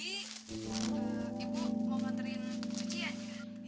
ibu mau nongterin cucian ya